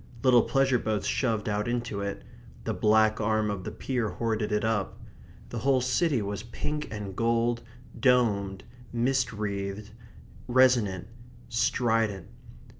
Little pleasure boats shoved out into it; the black arm of the pier hoarded it up. The whole city was pink and gold; domed; mist wreathed; resonant; strident.